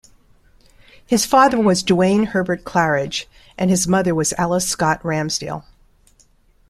His father was Duane Herbert Clarridge, and his mother was Alice Scott Ramsdale.